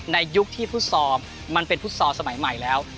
ยุคที่ฟุตซอลมันเป็นฟุตซอลสมัยใหม่แล้ว